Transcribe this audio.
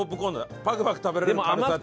パクパク食べられる軽さって。